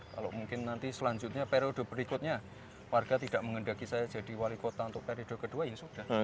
kalau mungkin nanti selanjutnya periode berikutnya warga tidak mengendaki saya jadi wali kota untuk periode kedua ya sudah